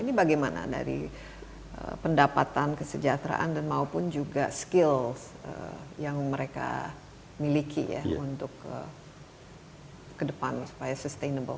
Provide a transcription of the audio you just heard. ini bagaimana dari pendapatan kesejahteraan dan maupun juga skill yang mereka miliki ya untuk ke depan supaya sustainable